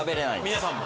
皆さんも？